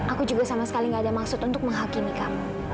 aku juga sama sekali gak ada maksud untuk menghakimi kamu